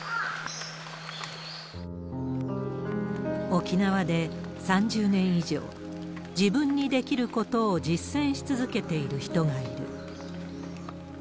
沖縄で３０年以上、自分にできることを実践し続けている人がいる。